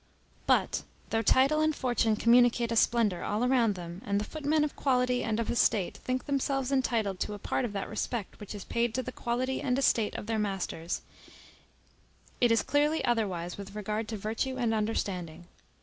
But, though title and fortune communicate a splendor all around them, and the footmen of men of quality and of estate think themselves entitled to a part of that respect which is paid to the quality and estate of their masters, it is clearly otherwise with regard to virtue and understanding.